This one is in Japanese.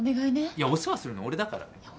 いやお世話するの俺だからね。